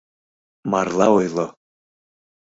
— Марла ойло!